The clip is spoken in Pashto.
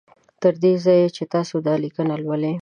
تر دې ځایه چې تاسو دا لیکنه لولی